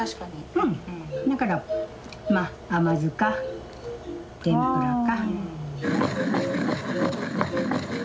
うんだからまあ甘酢か天ぷらか。